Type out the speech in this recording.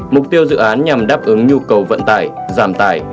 mục tiêu dự án nhằm đáp ứng nhu cầu vận tải giảm tải